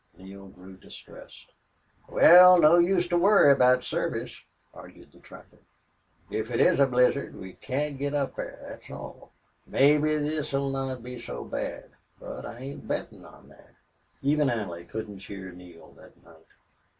Neale grew distressed. "Wal, no use to worry about Service," argued the trapper. "If it is a blizzard we can't git up thar, thet's all. Mebbe this'll not be so bad. But I ain't bettin' on thet." Even Allie couldn't cheer Neale that night.